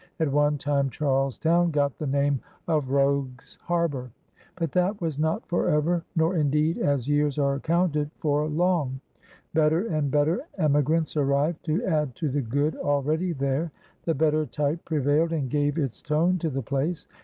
At one time Charles Town got the name of "Rogue's Harbor. " But that was not forever, nor indeed, as years are counted, for long. Better and better emigrants arrived, to add to the good already there. The better type pre vailed, and gave its tone to the place.